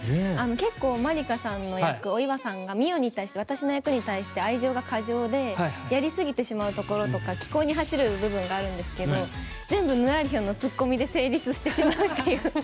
結構、まりかさんの役お岩さんが澪に対して、私の役に対して愛情が過剰でやりすぎてしまうところとか奇行に走る部分があるんですが全部ぬらりひょんの突っ込みで成立してしまうという。